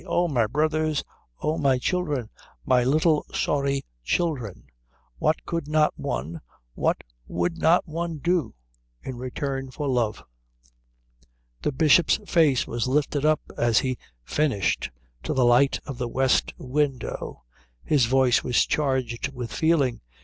Oh, my brothers, oh, my children, my little sorry children, what could not one, what would not one do in return for love? The Bishop's face was lifted up as he finished to the light of the west window. His voice was charged with feeling.